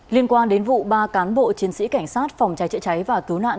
liên quan đến vụ ba cán bộ chiến sĩ cảnh sát phòng cháy chữa cháy và cứu nạn